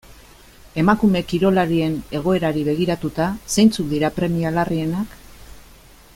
Emakume kirolarien egoerari begiratuta, zeintzuk dira premia larrienak?